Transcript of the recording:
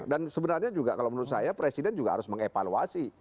dan sebenarnya juga kalau menurut saya presiden juga harus mengevaluasi